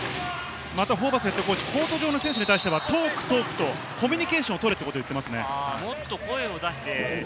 ホーバスＨＣ、コート上の選手に対してはトーク、トークとコミュニケーションを取れと言っています。